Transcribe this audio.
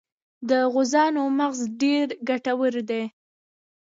د غوزانو مغز ډیر ګټور دی.